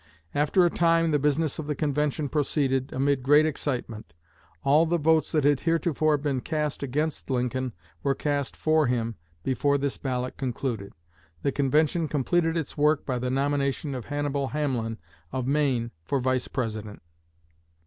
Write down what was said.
After a time the business of the convention proceeded, amid great excitement. All the votes that had heretofore been cast against Lincoln were cast for him before this ballot concluded. The convention completed its work by the nomination of Hannibal Hamlin of Maine for Vice President.